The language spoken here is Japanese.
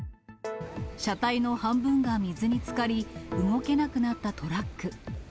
車体の半分が水につかり、動けなくなったトラック。